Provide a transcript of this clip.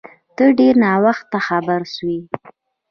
ته ډیر ناوخته خبر سوی